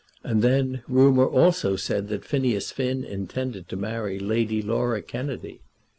And then, rumour also said that Phineas Finn intended to marry Lady Laura Kennedy.